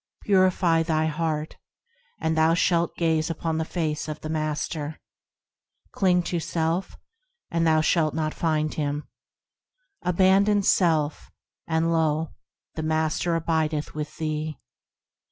Purify thy heart, and thou shalt gaze upon the face of the Master. Cling to self, and thou shalt not find Him; Abandon self arid lo ! the Master abideth with thee.